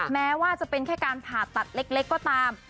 แม้ว่าจะเป็นแค่การผ่าตัดเล็กก็ตาม